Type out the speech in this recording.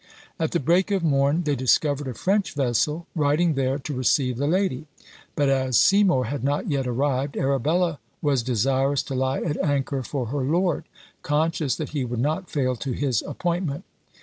At the break of morn, they discovered a French vessel riding there to receive the lady; but as Seymour had not yet arrived, Arabella was desirous to lie at anchor for her lord, conscious that he would not fail to his appointment.